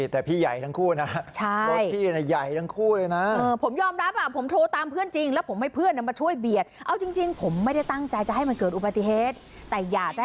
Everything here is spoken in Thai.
แต่พี่ใหญ่ทั้งคู่นะรถพี่ใหญ่ทั้งคู่เลยนะ